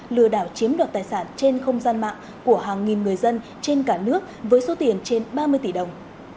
lừa đảo chiếm đoạt tài sản trên không gian mạng của hàng nghìn người dân trên cả nước với số tiền trên ba mươi tỷ đồng